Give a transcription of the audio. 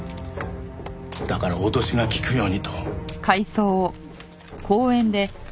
だから脅しが効くようにと。